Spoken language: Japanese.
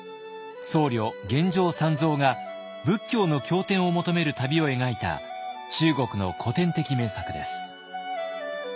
僧侶玄奘三蔵が仏教の経典を求める旅を描いた中国の古典的名作です。